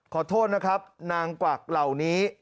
ขอโทษนะครับนางกวักเหล่านี้